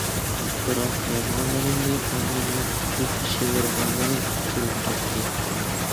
بىراق يازغانلىرىمنى شىۋىرغانلىرى ئۇچۇرۇپ كەتتى.